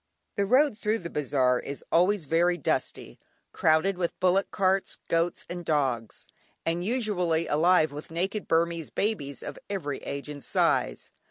The road through the bazaar is always very dusty, crowded with bullock carts, goats, and dogs, and usually alive with naked Burmese babies of every age and size.